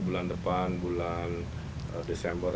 bulan depan bulan desember